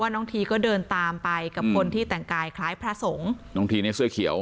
น้องทีก็เดินตามไปกับคนที่แต่งกายคล้ายพระสงฆ์น้องทีเนี่ยเสื้อเขียว